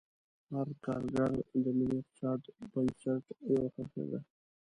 هر کارګر د ملي اقتصاد د بنسټ یوه خښته ده.